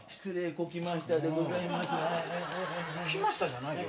「こきました」じゃないよ。